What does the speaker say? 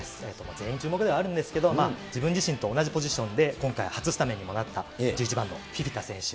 全員注目ではあるんですけれども、自分自身と同じポジションで、今回初スタメンにもなった１１番、フィフィタ選手。